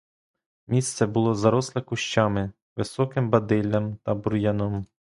Місце було заросле кущами, високим бадиллям та бур'яном.